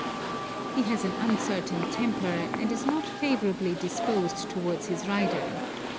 He has an uncertain temper, and is not favourably disposed towards his rider.